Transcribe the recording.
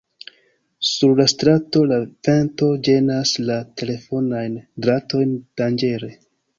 Sur la strato, la vento ĝenas la telefonajn dratojn danĝere.